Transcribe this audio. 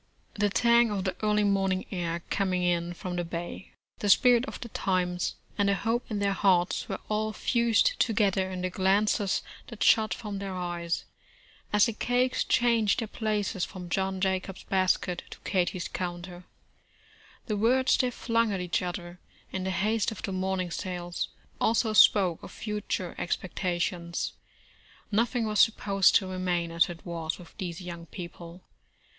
The tang of the early morning air coming in from 54 America the bay, the spirit of the times, and the hope in their hearts, were all fused together in the glances that shot from their eyes, as the cakes changed their places from John Jacob's basket to Katie's counter. The words they flung at each other, in the haste of the morning sales, also spoke of future expectations. Nothing was supposed to remain as it was with these young people.